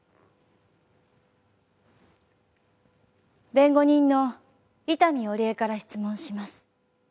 弁護人の伊丹織枝から質問します。